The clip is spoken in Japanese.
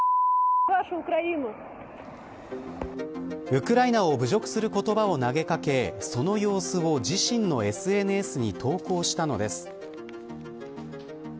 ウクライナを侮辱する言葉を投げかけその様子を自身のＳＮＳに投稿したのです。